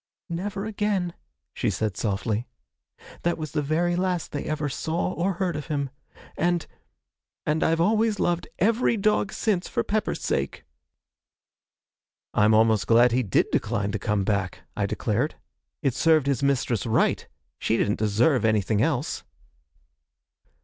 'Never again!' she said softly; 'that was the very last they ever saw or heard of him. And and I've always loved every dog since for Pepper's sake!' 'I'm almost glad he did decline to come back,' I declared; 'it served his mistress right she didn't deserve anything else!'